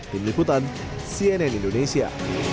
tim liputan cnn indonesia